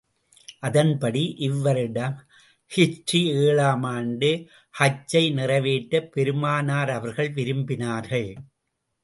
அதன்படி, இவ்வருடம், ஹிஜ்ரீ ஏழாம் ஆண்டு ஹஜ்ஜை நிறைவேற்றப் பெருமானார் அவர்கள் விரும்பினார்கள்.